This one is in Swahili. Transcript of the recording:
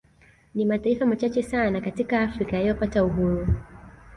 Ni mataifa machache sana katika Afrika yaliyopata uhuru